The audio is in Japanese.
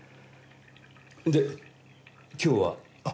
で今日は？